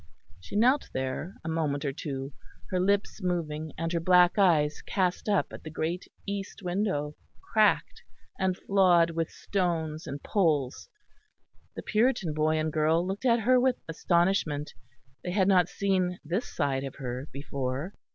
She knelt there a moment or two, her lips moving, and her black eyes cast up at the great east window, cracked and flawed with stones and poles. The Puritan boy and girl looked at her with astonishment; they had not seen this side of her before.